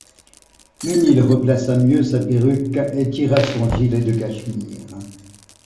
Mesnil replaça mieux sa perruque et tira son gilet de cachemire.